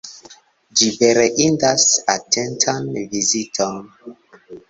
Ĝi vere indas atentan viziton.